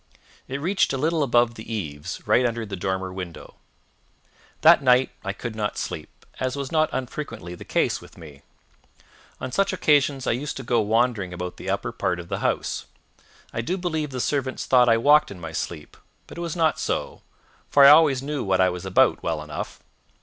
It reached a little above the eaves, right under the dormer window. That night I could not sleep, as was not unfrequently the case with me. On such occasions I used to go wandering about the upper part of the house. I believe the servants thought I walked in my sleep, but it was not so, for I always knew what I was about well enough.